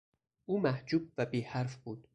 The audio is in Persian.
او محجوب و بی حرف بود.